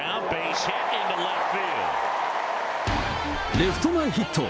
レフト前ヒット。